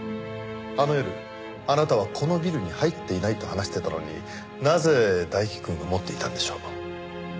あの夜あなたはこのビルに入っていないと話してたのになぜ大樹くんが持っていたんでしょう？